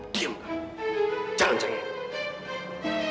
diam kak jangan jangin